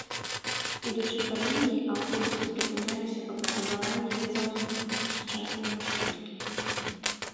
Ідучы па лініі, аўтобусы прыпыняліся па патрабаванні дзе заўгодна, як сучасныя маршруткі.